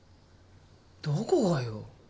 どこがよ？